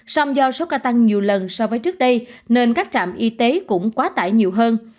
song do số ca tăng nhiều lần so với trước đây nên các trạm y tế cũng quá tải nhiều hơn